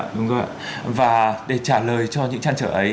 đúng rồi và để trả lời cho những trăn trở ấy